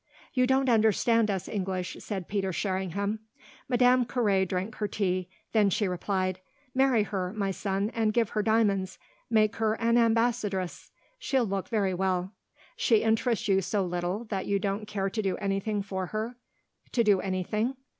"You don't understand us English," said Peter Sherringham. Madame Carré drank her tea; then she replied: "Marry her, my son, and give her diamonds. Make her an ambassadress; she'll look very well." "She interests you so little that you don't care to do anything for her?" "To do anything?"